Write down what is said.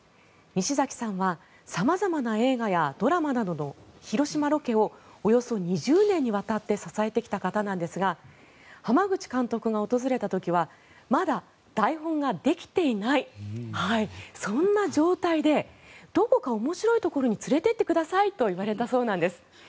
西崎さんは様々な映画やドラマなどの広島ロケをおよそ２０年にわたって支えてきた方なんですが濱口監督が訪れた時はまだ台本ができていないそんな状態でどこか面白いところに連れて行ってくださいと言われたそうなんです。